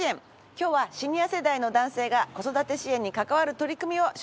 今日はシニア世代の男性が子育て支援に関わる取り組みを紹介します。